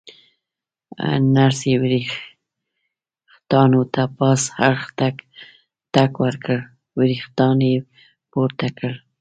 نرسې ورېښتانو ته پاس اړخ ته ټک ورکړ، ورېښتان یې پورته کړل.